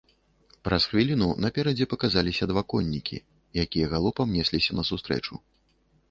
Праз хвіліну наперадзе паказаліся два коннікі, якія галопам несліся насустрэчу.